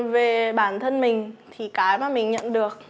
về bản thân mình thì cái mà mình nhận được